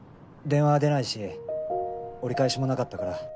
電話出ないし折り返しもなかったから。